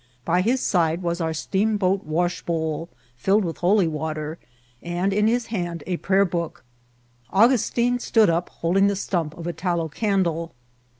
By his side was our steam boat washbowl, fiUed with holy water, and in his hand a prayer book. Augustin stood up, holding the stump itf a tallow candle.